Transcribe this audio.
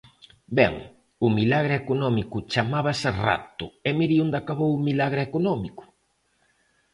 Ben, o milagre económico chamábase Rato, e mire onde acabou o milagre económico.